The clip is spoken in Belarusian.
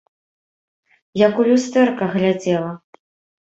Як у люстэрка глядзела!